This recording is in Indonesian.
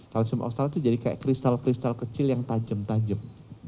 kalsium australia itu jadi kayak kristal kristal kecil yang tajam tajam